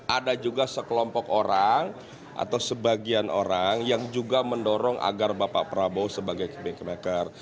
ada juga sekelompok orang atau sebagian orang yang juga mendorong agar bapak prabowo sebagai kingmaker